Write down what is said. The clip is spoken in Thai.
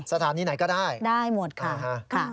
สถานีไหนก็ได้อเรนนี่ได้หมดค่ะค่ะ